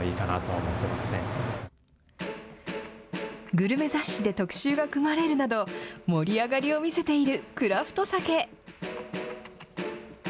グルメ雑誌で特集が組まれるなど、盛り上がりを見せているクラフトサケ。